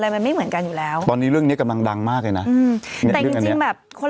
ใช่เรียกเงิน